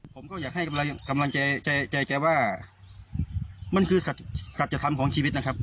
ผมก็อยากให้กำลังใจใจแกว่ามันคือสัจธรรมของชีวิตนะครับ